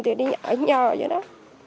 thì ở nhà vậy đó